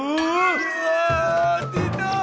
うわ出た！